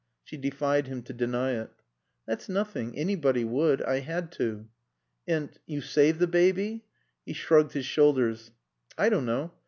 She defied him to deny it. "That's nothing. Anybody would. I had to." "And you saved the baby?" He shrugged his shoulders. "I don't know.